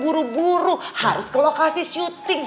buru buru harus ke lokasi syuting